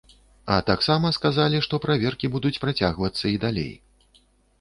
А таксама сказалі, што праверкі будуць працягвацца і далей.